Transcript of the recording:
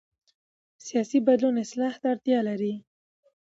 سیاسي بدلون اصلاح ته اړتیا لري